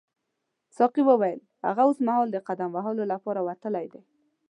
ساقي وویل هغه اوسمهال د قدم وهلو لپاره وتلی دی.